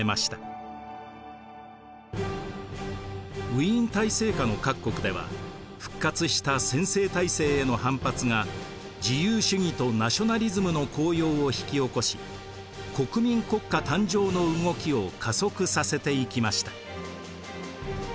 ウィーン体制下の各国では復活した専制体制への反発が自由主義とナショナリズムの高揚を引き起こし国民国家誕生の動きを加速させていきました。